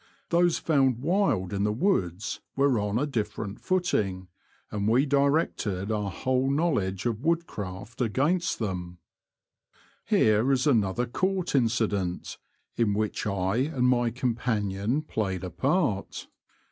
Those found wild in the woods were on a diff"erent footing, and we di rected our whole knowledge of woodcraft against them. Here is another ^' court " incident, in which I and my companion played a part.